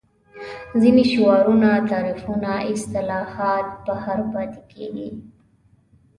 ځینې شعارونه تعریفونه اصطلاحات بهر پاتې کېږي